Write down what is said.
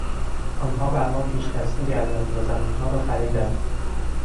آنها بر ما پیشدستی کردند و زمینها را خریدند.